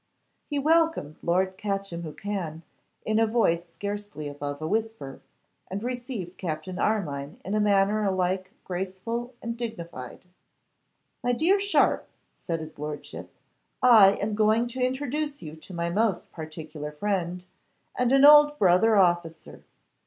He welcomed Lord Catchimwhocan in a voice scarcely above a whisper, and received Captain Armine in a manner alike graceful and dignified. 'My dear Sharpe,' said his lordship, 'I am going to introduce to you my most particular friend, and an old brother officer.